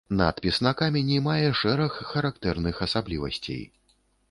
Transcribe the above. Надпіс на камені мае шэраг характэрных асаблівасцей.